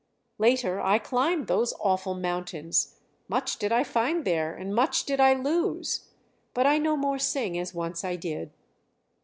"Later I climbed those awful mountains; much did I find there, and much did I lose. But I no more sing as once I did."